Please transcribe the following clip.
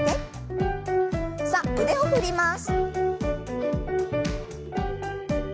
さあ腕を振ります。